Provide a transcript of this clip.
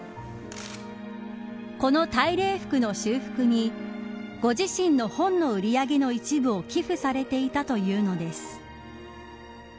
この大礼服の修復にご自身の本の売り上げの一部を寄付されていたというのです。